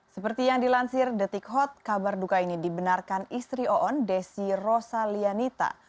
seperti yang dilansir detik hot kabar duka ini dibenarkan istri oon desi rosalianita